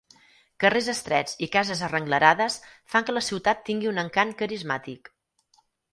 Carrers estrets i cases arrenglerades fan que la ciutat tingui un encant carismàtic.